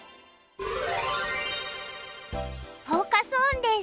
フォーカス・オンです。